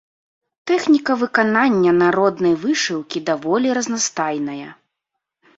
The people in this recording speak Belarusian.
Тэхніка выканання народнай вышыўкі даволі разнастайная.